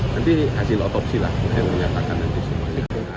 nanti hasil otopsi lah yang menyatakan nanti semua